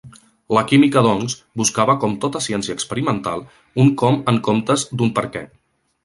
La química doncs, buscava com tota ciència experimental, un com en comptes d'un per què.